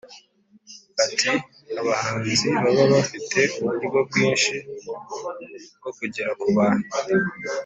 ati “abahanzi baba bafite uburyo bwinshi bwo kugera ku bantu.